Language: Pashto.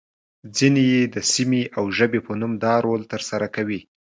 ځینې يې د سیمې او ژبې په نوم دا رول ترسره کوي.